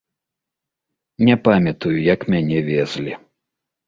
Не памятаю, як мяне везлі.